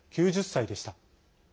９０歳でした。